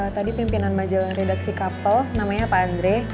tadi pimpinan majel redaksi kapel namanya pak andre